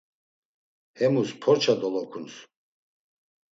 Hemus porça dolokuns.